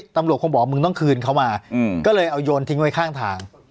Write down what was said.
ตำรวจคงบอกมึงต้องคืนเขามาก็เลยเอาโยนทิ้งไว้ข้างทาง